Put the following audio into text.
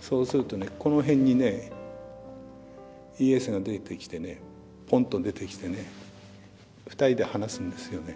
そうするとねこの辺にねイエスが出てきてねポンと出てきてね２人で話すんですよね。